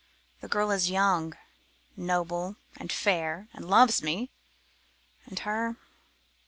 The girl is young, noble, and fair, and loves me. And her?